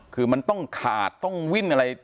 คือมันต้องขาดต้องวิ่นอะไร